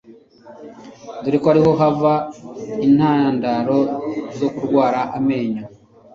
dore ko ariho hava intandaro zo kurwara amenyo.